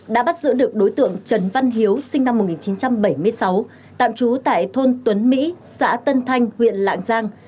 đã bắt giữ được đối tượng trần văn hiếu sinh năm một nghìn chín trăm bảy mươi sáu tạm trú tại thôn tuấn mỹ xã tân thanh huyện lạng giang